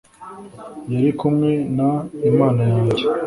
yari kumwe n Imana yanjye